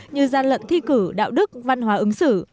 như gian lận thi cử đạo đức văn hóa ứng xử